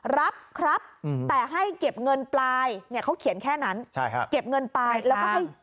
รับแต่ให้เก็บเงินปลายเนี่ยเค้าเขียนแค่นั้นเก็บเงินปลายแล้วก็ให้ที่อยู่